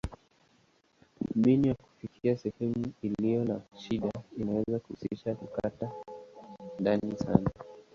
Mbinu ya kufikia sehemu iliyo na shida inaweza kuhusisha kukata ndani sana.